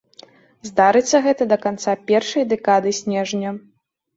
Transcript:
Здарыцца гэта да канца першай дэкады снежня.